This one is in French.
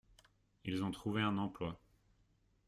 Ils ont trouvé un emploi.